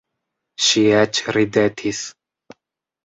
Ŝi eĉ ridetis.